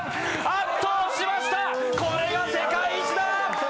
圧倒しました、これが世界一だ！